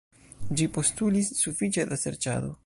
Ĝi postulis sufiĉe da serĉado.